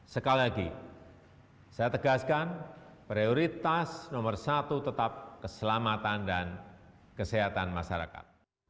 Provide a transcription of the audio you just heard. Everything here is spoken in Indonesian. sekali lagi saya tegaskan prioritas nomor satu tetap keselamatan dan kesehatan masyarakat